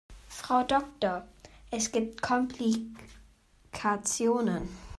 Frau Doktor, es gibt Komplikationen.